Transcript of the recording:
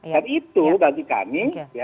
dan itu bagi kami